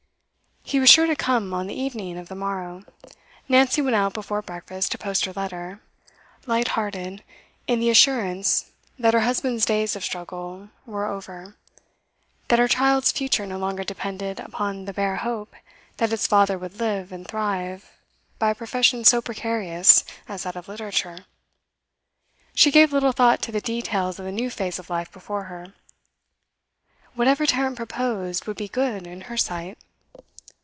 He was sure to come on the evening of the morrow. Nancy went out before breakfast to post her letter; light hearted in the assurance that her husband's days of struggle were over, that her child's future no longer depended upon the bare hope that its father would live and thrive by a profession so precarious as that of literature, she gave little thought to the details of the new phase of life before her. Whatever Tarrant proposed would be good in her sight.